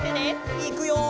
いくよ！